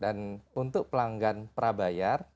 dan untuk pelanggan prabayar